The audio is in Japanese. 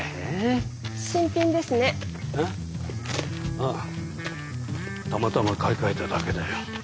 あたまたま買い替えただけだよ。